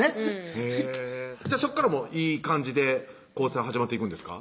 へぇそこからいい感じで交際は始まっていくんですか？